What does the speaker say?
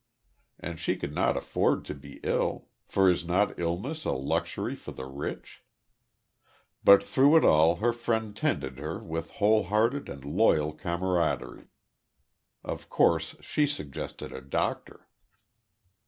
And she could not afford to be ill; for is not illness a luxury for the rich? But through it all her friend tended her with wholehearted and loyal camaraderie. Of course she suggested a doctor.